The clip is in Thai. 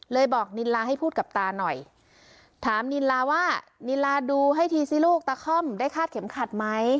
บอกนินลาให้พูดกับตาหน่อยถามนินลาว่านิลาดูให้ทีซิลูกตาค่อมได้คาดเข็มขัดไหม